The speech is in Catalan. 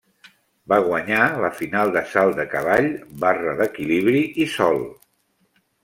Va guanyar la final de salt de cavall, barra d'equilibri i sòl.